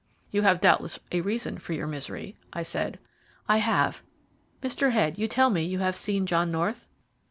"You have doubtless a reason for your misery," I said. "I have. Mr. Head, you tell me you have seen John North?"